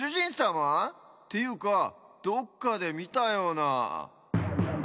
ていうかどっかでみたような。